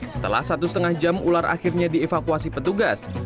setelah satu setengah jam ular akhirnya dievakuasi petugas